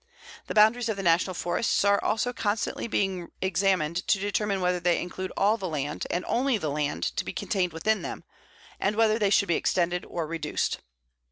The boundaries of the National Forests also are constantly being examined to determine whether they include all the land, and only the land, to be contained within them, and whether they should be extended or reduced.